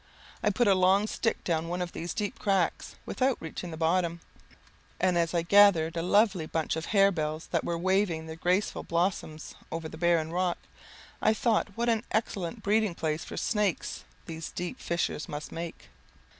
I put a long stick down one of these deep cracks without reaching the bottom; and as I gathered a lovely bunch of harebells, that were waving their graceful blossoms over the barren rock, I thought what an excellent breeding place for snakes these deep fissures must make.